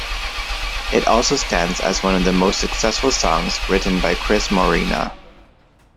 It also stands as one of the most successful songs written by Cris Morena.